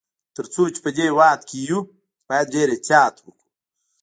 تر څو چي په دې هیواد کي یو، باید ډېر احتیاط وکړو.